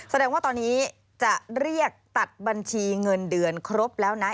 แสดงว่าตอนนี้จะเรียกตัดบัญชีเงินเดือนครบแล้วนะ